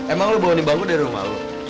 emang lo bawa ini bangku dari rumah lo